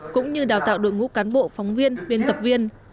cũng như đào tạo đội ngũ cán bộ phóng viên biên tập viên